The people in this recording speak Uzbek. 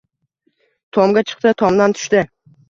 Tomga chiqdi-tomdan tushdi.